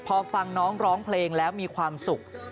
พอฟังน้องร้องเพลงแล้วมีความสุข